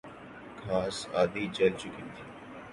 گھاس آدھی جل چکی تھی